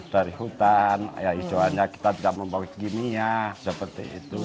dari hutan hijauannya kita juga membuat kimia seperti itu